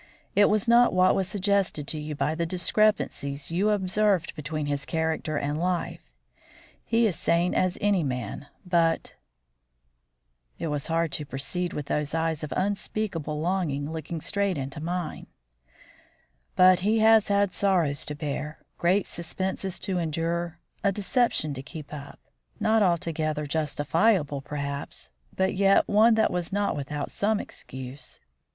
It was not what was suggested to you by the discrepancies you observed between his character and life. He is sane as any man, but " it was hard to proceed, with those eyes of unspeakable longing looking straight into mine "but he has had great sorrows to bear, great suspenses to endure, a deception to keep up, not altogether justifiable, perhaps, but yet one that was not without some excuse.